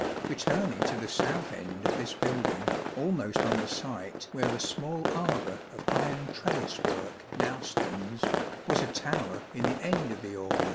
Returning to the south end of this building, almost on the site where a small arbour of iron trellis work now stands, was a tower in the end of the aula.